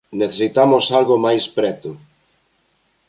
Necesitamos algo máis preto.